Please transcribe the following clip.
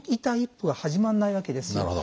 第一歩が始まらないわけですよ。